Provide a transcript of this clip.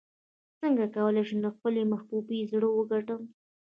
څنګه کولی شم د خپلې محبوبې زړه وګټم